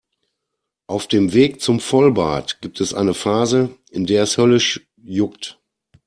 Auf dem Weg zum Vollbart gibt es eine Phase, in der es höllisch juckt.